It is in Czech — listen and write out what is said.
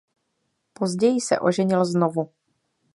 Později se oženil znovu.